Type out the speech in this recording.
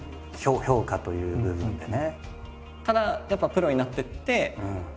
評価という部分でね。